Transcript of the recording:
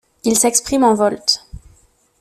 Il s'exprime en volts.